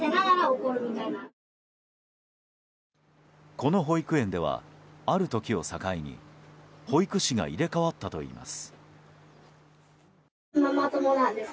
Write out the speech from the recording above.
この保育園ではある時を境に保育士が入れ替わったといいます。